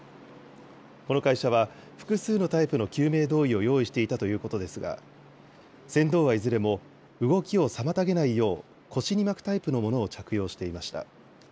この会社は、複数のタイプの救命胴衣を用意していたということですが、船頭はいずれも、動きを妨げないよう、腰に巻くタイプのものを着用していました。